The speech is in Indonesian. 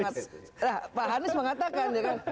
nah pak hanis mengatakan ya kan